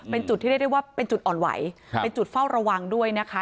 เป็นจุดที่เรียกได้ว่าเป็นจุดอ่อนไหวเป็นจุดเฝ้าระวังด้วยนะคะ